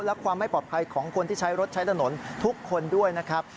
และความไม่ปลอดภัยของคนที่ใช้รถใช้ถนนทุกคนด้วยนะครับ